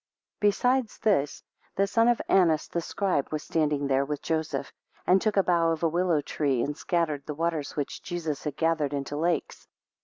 BESIDES this, the son of Annas the scribe, was standing there with Joseph, and took a bough of a willow tree, and scattered the waters which Jesus had gathered into lakes.